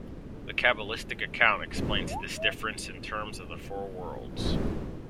The Kabbalistic account explains this difference in terms of the Four Worlds.